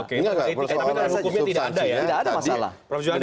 tidak ada masalah